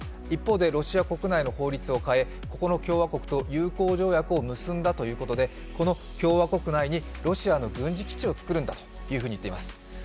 一方でロシア国内の法律を変えここの共和国と友好条約を結んだということで、共和国内にロシアの軍事基地をつくるんだと言っています。